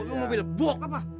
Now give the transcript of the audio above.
oh lu mau beli lebuk apa